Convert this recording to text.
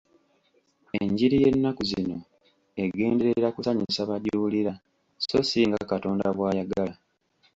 Enjiri y'ennaku zino egenderera kusanyusa bagiwulira so si nga Katonda bw'agyagala.